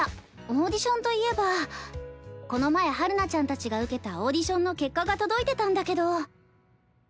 オーディションといえばこの前陽菜ちゃんたちが受けたオーディションの結果が届いてたんだけど。